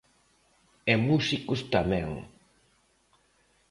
E músicos tamén.